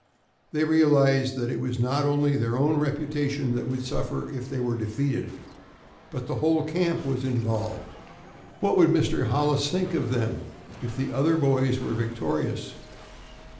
They realized that it was not only their own reputation that would suffer if they were defeated, but the whole camp was involved. What would Mr. Hollis think of them if the other boys were victorious?